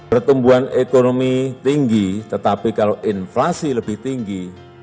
pertumbuhan ekonomi tinggi tetapi kalau inflasi lebih tinggi